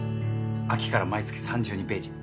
秋から毎月３２ページ。